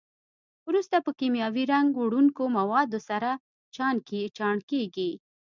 وروسته په کیمیاوي رنګ وړونکو موادو سره چاڼ کېږي.